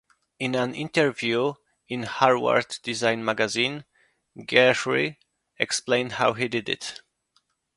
In an interview in "Harvard Design Magazine", Gehry explained how he did it.